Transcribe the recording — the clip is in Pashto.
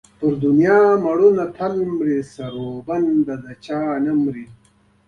ما نور نو ځان له لاسه ورکړ او په تلوار مې جامې راټولې کړې.